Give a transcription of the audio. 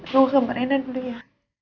ruh keberanian dulu ya